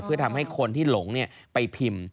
ก็ทำให้คนที่หลงไปพิมพ์